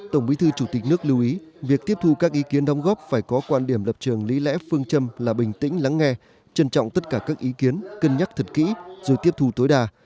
tổng bí thư chủ tịch nước lưu ý việc tiếp thu các ý kiến đóng góp phải có quan điểm lập trường lý lẽ phương châm là bình tĩnh lắng nghe trân trọng tất cả các ý kiến cân nhắc thật kỹ rồi tiếp thu tối đa